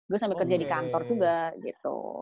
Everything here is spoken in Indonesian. gue sambil kerja di kantor juga gitu